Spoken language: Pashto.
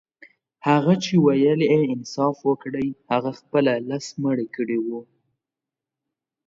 هغه چي ويل يې انصاف وکړئ هغه خپله لس مړي کړي وه.